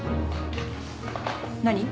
何？